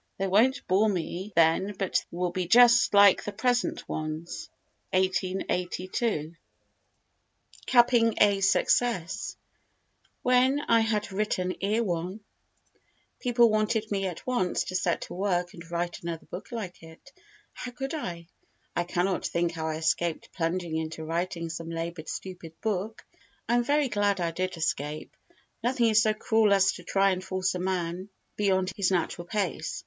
They won't bore me then but they will be just like the present ones. [1882.] Capping a Success When I had written Erewhon people wanted me at once to set to work and write another book like it. How could I? I cannot think how I escaped plunging into writing some laboured stupid book. I am very glad I did escape. Nothing is so cruel as to try and force a man beyond his natural pace.